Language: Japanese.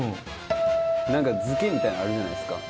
何か漬けみたいなのあるじゃないですか。